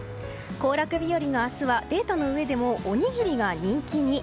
行楽日和の明日はデータのうえでもおにぎりが人気に。